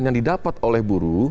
yang didapat oleh buruh